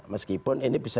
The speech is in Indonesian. meskipun ini bisa